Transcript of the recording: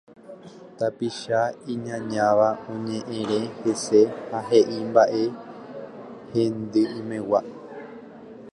Tapicha iñañáva oñe'ẽre hese ha he'i mba'e henda'ỹmegua.